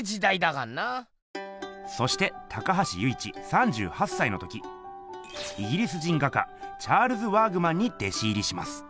そして高橋由一３８歳のときイギリス人画家チャールズ・ワーグマンに弟子入りします。